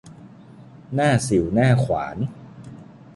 หน้าสิ่วหน้าขวาน